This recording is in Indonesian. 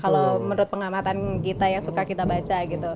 kalau menurut pengamatan kita yang suka kita baca gitu